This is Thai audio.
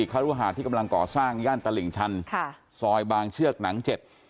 คารุหาที่กำลังก่อสร้างย่านตลิ่งชันค่ะซอยบางเชือกหนังเจ็ด